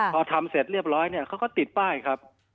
พอทำเสร็จเรียบร้อยเนี่ยเขาก็ติดป้ายครับ